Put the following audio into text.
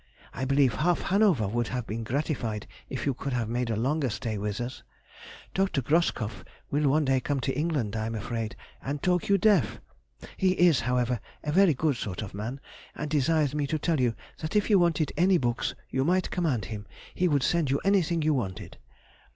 I believe half Hanover would have been gratified if you could have made a longer stay with us. Dr. Groskopf will one day come to England I am afraid, and talk you deaf; he is, however, a very good sort of man, and desires me to tell you that if you wanted any books you might command him, he would send you anything you wanted.